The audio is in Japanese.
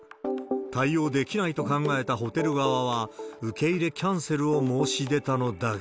対応できないと考えたホテル側は、受け入れキャンセルを申し出たのだが。